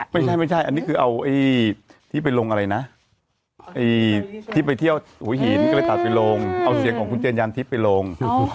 ไม่ใช่ไม่ใช่อันนี้คือเอาไอ้ที่ไปลงอะไรนะที่ไปเที่ยวหัวหินก็เลยตัดไปลงเอาเสียงของคุณเจนยันทิพย์ไปลง